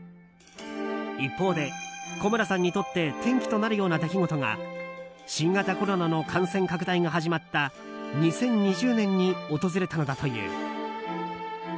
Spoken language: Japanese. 一方で、古村さんにとって転機となるような出来事が新型コロナの感染拡大が始まった２０２０年に訪れたのだという。